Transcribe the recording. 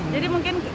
jadi mungkin dari